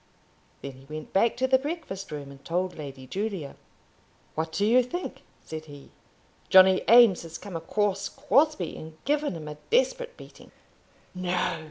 Then he went back to the breakfast room and told Lady Julia. "What do you think?" said he; "Johnny Eames has come across Crosbie, and given him a desperate beating." "No!"